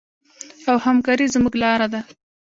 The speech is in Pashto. او همکاري زموږ لاره ده.